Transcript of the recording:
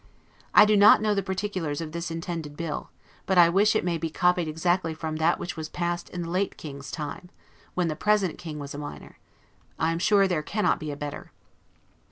I do not know the particulars of this intended bill; but I wish it may be copied exactly from that which was passed in the late King's time, when the present King was a minor. I am sure there cannot be a better.